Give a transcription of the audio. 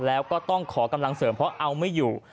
แล้วก็ต้องขอกำลังเสริมเพราะเอาไม่อยู่